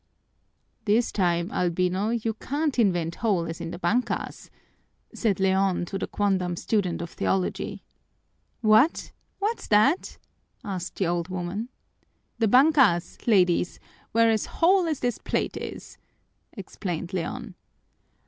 "This time, Albino, you can't invent holes as in the bankas," said Leon to the quondam student of theology. "What_!_ What's that?" asked the old women. "The bankas, ladies, were as whole as this plate is," explained Leon.